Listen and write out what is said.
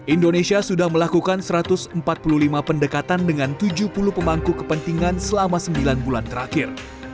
indonesia sudah melakukan satu ratus empat puluh lima pendekatan dengan tujuh puluh pemangku kepentingan selama sembilan bulan terakhir